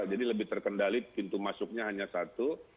jadi lebih terkendali pintu masuknya hanya satu